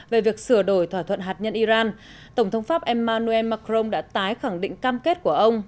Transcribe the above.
về việc sửa đổi thỏa thuận hạt nhân iran tổng thống pháp emmanuel macron đã tái khẳng định cam kết của ông